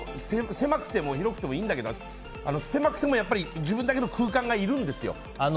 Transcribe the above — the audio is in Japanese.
狭くても広くてもいいんだけど狭くてもやっぱり自分だけの空間がいるんですよ。